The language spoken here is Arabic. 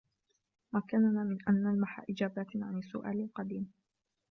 مكننا من أن نلمح إجابات عن السؤال القديم